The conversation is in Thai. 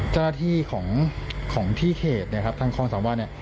เจ้าหน้าที่ของที่เขตทางคลองศาลวัด